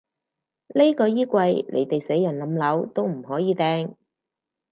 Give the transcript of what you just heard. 呢個衣櫃，你哋死人冧樓都唔可以掟